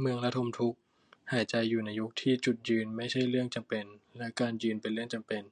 เมืองระทมทุกข์ : หายใจอยู่ในยุคที่ จุดยืนไม่ใช่เรื่องจำเป็น และ การยืนเป็นเรื่องจำเป็น